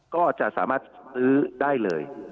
ก็จะสามารถซื้อได้เลย